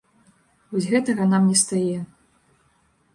Вось гэтага нам не стае.